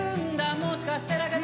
もしかしてだけど